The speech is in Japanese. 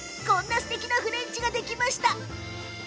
こんなすてきなフレンチができました。